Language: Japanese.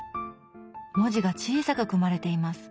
文字が小さく組まれています。